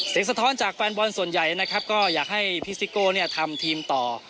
สะท้อนจากแฟนบอลส่วนใหญ่นะครับก็อยากให้พี่ซิโก้เนี่ยทำทีมต่อ